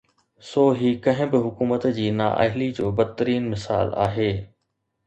سو هي ڪنهن به حڪومت جي نااهلي جو بدترين مثال آهي.